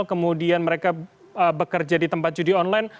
kemudian mereka bekerja di tempat judi online